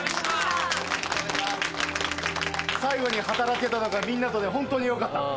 最後に働けたのがみんなとでホントによかった。